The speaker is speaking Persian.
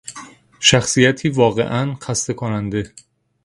شخصیتی واقعا خسته کننده